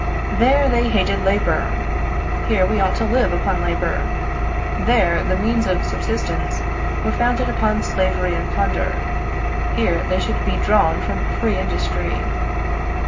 There they hated labour; here we ought to live upon labour. There the means of subsistence were founded upon slavery and plunder; here they should be drawn from free industry.